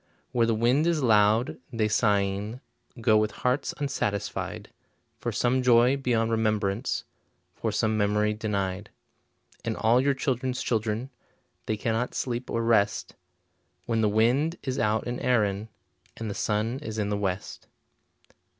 Where the wind is loud, they sighing Go with hearts unsatisfied, For some joy beyond remembrance, For some memory denied. And all your children's children, They cannot sleep or rest, When the wind is out in Erinn And the sun is in the west.